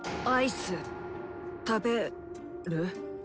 アイス食べる？